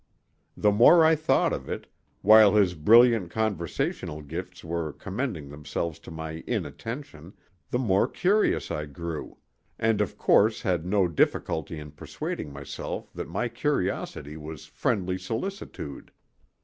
The more I thought of it, while his brilliant conversational gifts were commending themselves to my inattention, the more curious I grew, and of course had no difficulty in persuading myself that my curiosity was friendly solicitude.